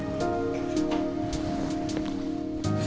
ya udah kita bisa